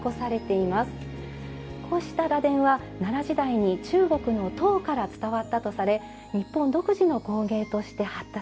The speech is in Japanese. こうした螺鈿は奈良時代に中国の唐から伝わったとされ日本独自の工芸として発達。